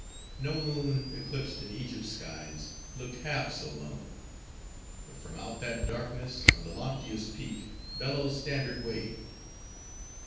No moon, eclipsed in Egypt's skies, looked half so lone. But from out that darkness, on the loftiest peak, Bello's standard waved.